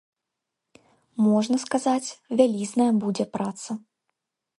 Можна сказаць, вялізная будзе праца.